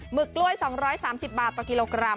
ึกกล้วย๒๓๐บาทต่อกิโลกรัม